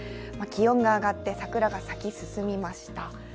気温が上がって桜が咲き進みました。